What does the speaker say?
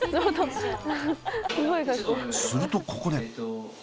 するとここで。